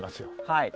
はい。